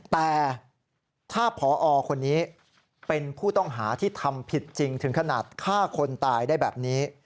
แต่ถ้าพอคนนี้เป็นผู้ต้องหาที่ทำผิดจริงถึงขนาดฆ่าคนตายได้แบบนี้